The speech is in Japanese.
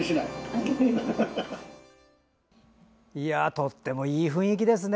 とてもいい雰囲気ですね。